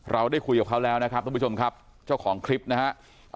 เราได้คุยกับเขาแล้วนะครับทุกผู้ชมครับเจ้าของคลิปนะฮะ